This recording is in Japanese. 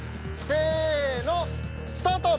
せのスタート。